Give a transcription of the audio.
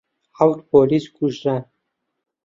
حەوت پۆلیس کوژران.